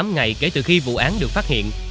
tám ngày kể từ khi vụ án được phát hiện